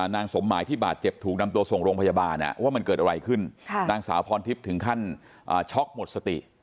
สมหมายที่บาดเจ็บถูกนำตัวส่งโรงพยาบาลว่ามันเกิดอะไรขึ้นนางสาวพรทิพย์ถึงขั้นช็อกหมดสติ